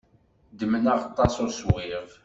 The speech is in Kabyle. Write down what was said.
Ddmen aɣtas uṣwib.